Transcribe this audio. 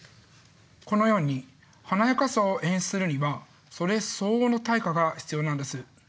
このように華やかさを演出するにはそれ相応の対価が必要なんです。